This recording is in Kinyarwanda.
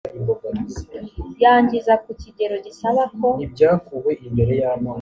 yangiza ku kigero gisaba ko